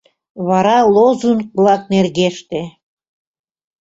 Вара лозунг-влак нергеште.